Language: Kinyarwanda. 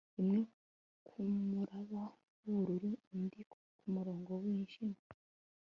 Imwe kumuraba wubururu indi kumurongo wijimye